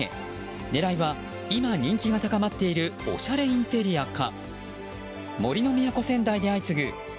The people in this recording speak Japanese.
狙いは今、人気が高まっているおしゃれインテリアか。